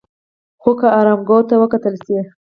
خو که ارقامو ته وکتل شي،